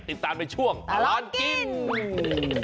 ติดตามในช่วงตลอดกิน